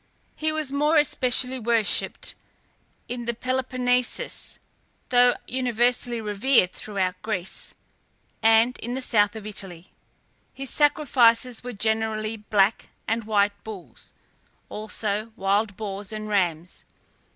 He was more especially worshipped in the Peloponnesus, though universally revered throughout Greece and in the south of Italy. His sacrifices were generally black and white bulls, also wild boars and rams.